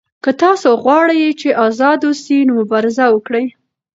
که تاسو غواړئ چې آزاد اوسئ نو مبارزه وکړئ.